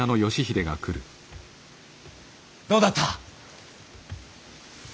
どうだった？